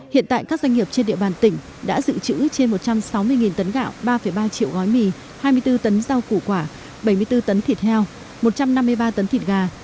hiện tại các doanh nghiệp trên địa bàn tỉnh đã dự trữ trên một trăm sáu mươi tấn gạo ba ba triệu gói mì hai mươi bốn tấn rau củ quả bảy mươi bốn tấn thịt heo một trăm năm mươi ba tấn thịt gà